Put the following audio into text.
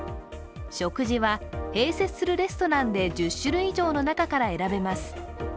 食事は併設するレストランで１０種類以上の中から選べます。